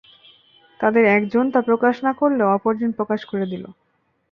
তাদের একজন তা প্রকাশ না করলেও অপরজন প্রকাশ করে দিল।